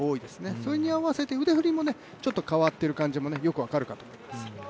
それに合わせて腕振りも、ちょっと変わってる感じもよく分かると思います。